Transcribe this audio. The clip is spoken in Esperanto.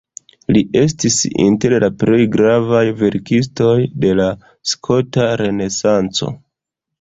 Li estis inter la plej gravaj verkistoj de la skota renesanco.